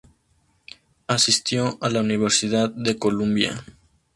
Asistió a la Universidad de Columbia.